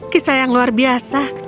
kisah yang luar biasa